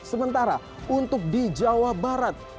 sementara untuk di jawa barat